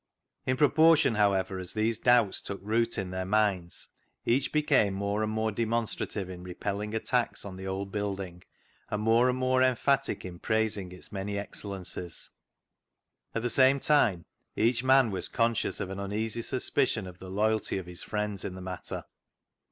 In proportion, however, as these doubts took root in their minds, each became more and more demonstrative in repelling attacks on the old building, and more and more emphatic in prais ing its many excellences. At the same time each man was conscious of an uneasy suspicion of the loyalty of his friends in the matter.